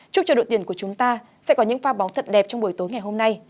chúc cho đội tuyển của chúng ta sẽ có những pha bóng thật đẹp trong buổi tối ngày hôm nay